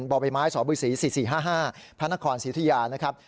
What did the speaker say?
บ่อใบไม้สบศรี๔๔๕๕พระนครศรีธุยานะครับ